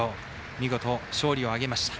見事勝利を挙げました。